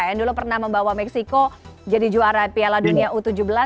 yang dulu pernah membawa meksiko jadi juara piala dunia u tujuh belas dua ribu lima belas